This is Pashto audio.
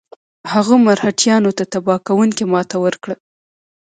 هغه مرهټیانو ته تباه کوونکې ماته ورکړه.